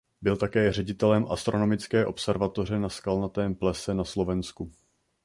Byl také ředitelem astronomické observatoře na Skalnatém plese na Slovensku.